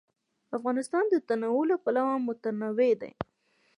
افغانستان د تنوع له پلوه متنوع دی.